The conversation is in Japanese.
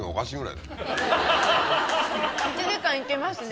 １時間いけますね。